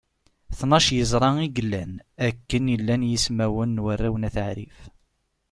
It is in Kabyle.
Tnac n yeẓra i yellan, akken i llan yismawen n warraw n At Ɛrif.